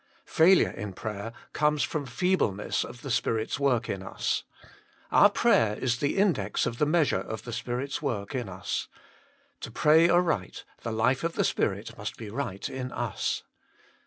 Failure in prayer comes from feebleness of the Spirit s work in us. Our prayer is the index of the measure of the Spirit s work in us. To pray aright, the life of the Spirit must be right in us.